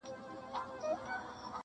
یو ګیدړ کښته له مځکي ورکتله٫